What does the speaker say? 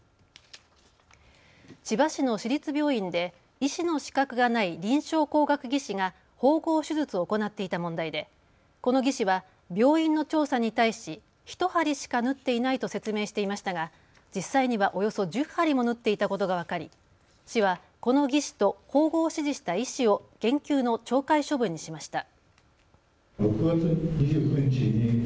千葉市の市立病院で医師の資格がない臨床工学技士が縫合手術を行っていた問題でこの技士は病院の調査に対し１針しか縫っていないと説明していましたが実際にはおよそ１０針も縫っていたことが分かり、市はこの技士と縫合を指示した医師を減給の懲戒処分にしました。